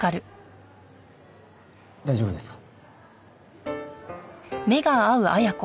大丈夫ですか？